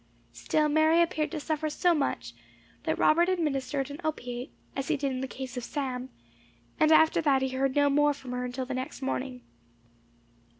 Still Mary appeared to suffer so much, that Robert administered an opiate, as he did in the case of Sam, and after that he heard no more from her until next morning.